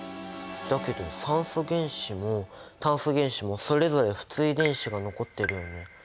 だけど酸素原子も炭素原子もそれぞれ不対電子が残ってるよね。